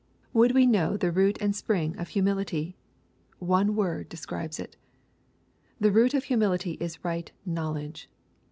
Would we know the root and spring of humility ? One word describes it. The root of humility is right knowledge.